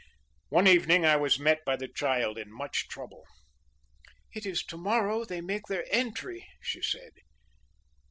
"One evening I was met by the child in much trouble."'It is to morrow they make their entry,' she said.